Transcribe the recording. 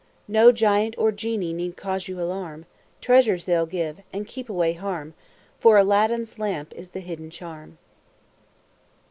No giant or genie need cause you alarm, Treasures they'll give, and keep away harm, For ALADDIN'S LAMP is the hidden charm.